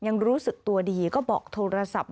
ยังรู้สึกตัวดีก็บอกโทรศัพท์